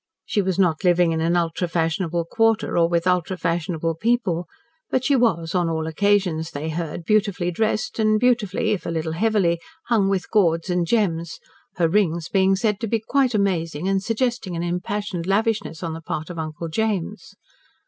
She was not living in an ultra fashionable quarter, or with ultra fashionable people, but she was, on all occasions, they heard, beautifully dressed and beautifully if a little heavily hung with gauds and gems, her rings being said to be quite amazing and suggesting an impassioned lavishness on the part of Uncle James.